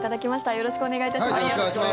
よろしくお願いします。